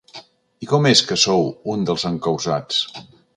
I com és que sou un dels encausats?